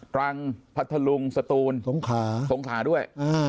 รังพัทธลุงสตูนสงขาสงขลาด้วย